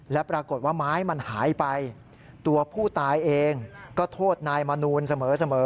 และปรากฏว่าไม้มันหายไปตัวผู้ตายเองก็โทษนายมนูลเสมอ